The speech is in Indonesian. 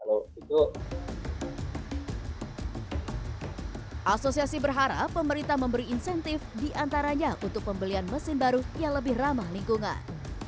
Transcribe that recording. asosiasi berharap pemerintah memberi insentif diantaranya untuk pembelian mesin baru yang lebih ramah lingkungan